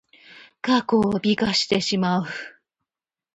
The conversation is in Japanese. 過去を美化してしまう。